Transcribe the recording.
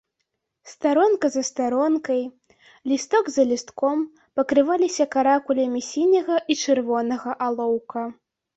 Старонка за старонкай, лісток за лістком пакрываліся каракулямі сіняга і чырвонага алоўка.